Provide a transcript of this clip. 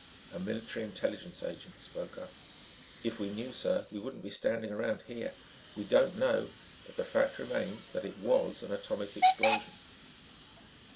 A military intelligence agent spoke up. "If we knew, sir, we wouldn't be standing around here. We don't know, but the fact remains that it WAS an atomic explosion."